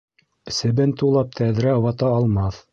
Себен тулап тәҙрә вата алмаҫ.